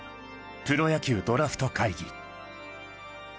プロ野球ドラフト会議